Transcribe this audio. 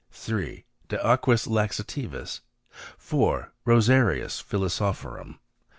De Aquis Laxativis. 4. Rosarius Philosophorum.